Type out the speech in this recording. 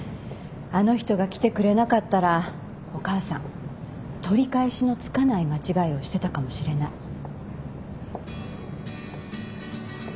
あの人が来てくれなかったらお母さん取り返しのつかない間違いをしてたかもしれない。